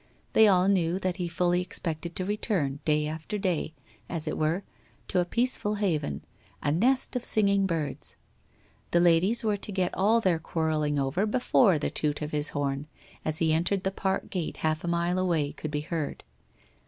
They all knew that he fully expected to return day after day, as it were, to a peaceful haven, a nest of singing birds. The ladies were to get all their quarrelling over before the toot of his horn, as he entered the park gates half a mile away, could be heard.